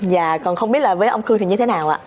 và còn không biết là với ông khương thì như thế nào ạ